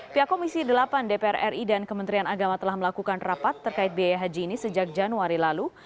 pihak komisi delapan dpr ri dan kementerian agama telah melakukan rapat terkait biaya haji ini sejak januari lalu